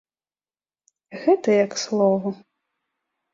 Гэта я к слову.